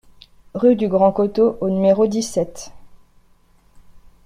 Rue du Grand Coteau au numéro dix-sept